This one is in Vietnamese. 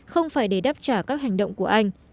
không phải để đáp trả các hành động của anh